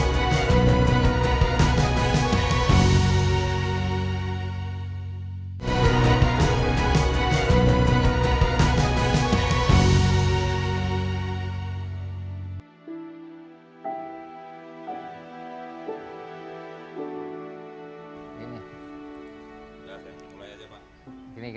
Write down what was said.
sampai jumpa di video selanjutnya